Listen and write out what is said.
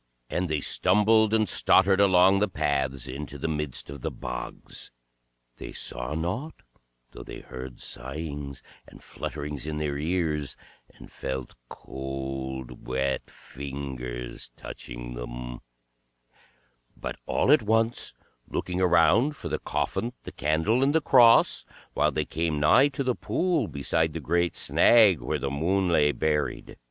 And they stumbled and stottered along the paths into the midst of the bogs; they saw nought, though they heard sighings and flutterings in their ears, and felt cold wet fingers touching them; but all at once, looking around for the coffin, the candle, and the cross, while they came nigh to the pool beside the great snag, where the Moon lay buried.